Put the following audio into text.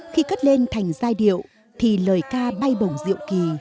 khi cất lên thành giai điệu thì lời ca bay bổng diệu kỳ